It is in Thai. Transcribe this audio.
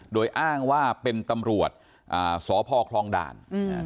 โดยอ้างว่าเป็นตำรวจอ่าสอพครองด่านอืมอืม